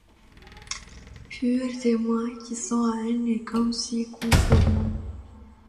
Purs témoins qui sans haine et comme s'y conformant